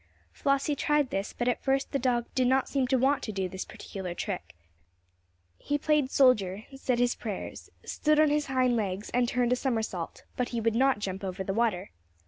Flossie tried this, but at first the dog did not seem to want to do this particular trick. He played soldier, said his prayers, stood on his hind legs, and turned a somersault. But he would not jump over the water.